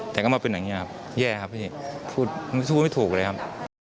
แต่ก็มาเป็นอย่างนี้ครับแย่ครับพี่พูดไม่ถูกเลยครับ